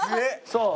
そう。